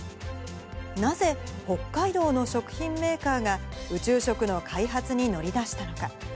なぜ、北海道の食品メーカーが、宇宙食の開発に乗り出したのか。